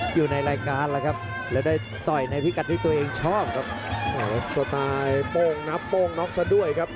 อยู่ในรายการแล้วครับ